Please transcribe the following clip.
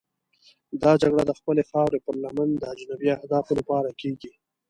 دا جګړه د خپلې خاورې پر لمن د اجنبي اهدافو لپاره کېږي.